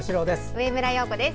上村陽子です。